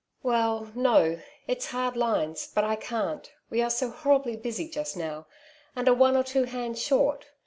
'' Well — no — it's hard lines, but I can't ; we are so horribly busy just now, and are one or two hands short.